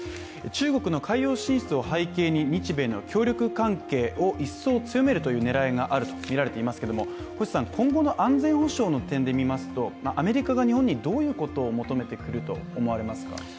中国の海洋進出を背景に日米の協力関係を一層強めるという狙いがあるとみられていますけども、今後の安全保障の点で見ますと、アメリカが日本にどういうことを求めてくると思われますか？